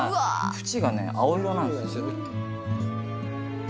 縁がね、青色なんです。